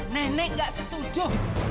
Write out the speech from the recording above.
nenek gak setuju